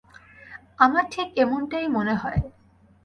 আমার ঠিক এমনটাই মনে হয়।